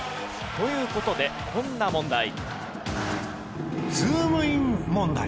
という事でこんな問題。